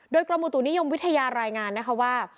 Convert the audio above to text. โดยกรมอุตุนิยมวิทยารายงานนะคะว่า